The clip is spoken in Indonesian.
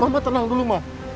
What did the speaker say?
mama tenang dulu ma